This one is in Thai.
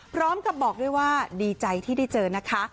พร้อมกับบอกด้วยว่าดีใจที่ได้เจอนะคะ